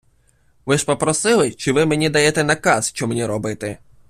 Ви ж попросили чи Ви мені даєте наказ, що мені робити?